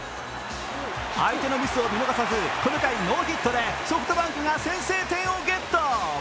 相手のミスを見逃さず、この回、ノーヒットでソフトバンクが先制点をゲット。